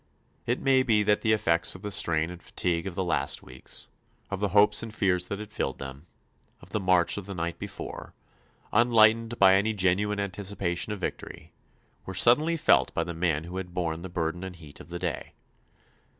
It may be that the effects of the strain and fatigue of the last weeks, of the hopes and fears that had filled them, of the march of the night before, unlightened by any genuine anticipation of victory, were suddenly felt by the man who had borne the burden and heat of the day.